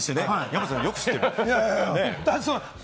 山ちゃん、よく知ってるね？